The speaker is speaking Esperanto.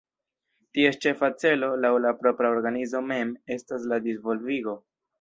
Ties ĉefa celo, laŭ la propra organizo mem, estas la disvolvigo.